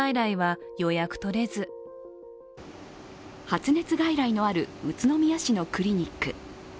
発熱外来のある宇都宮市のクリニック。